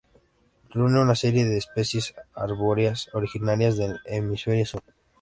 Reúne una serie de especies arbóreas originarias del Hemisferio sur.